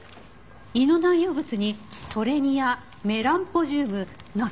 胃の内容物にトレニアメランポジュームナスタチューム？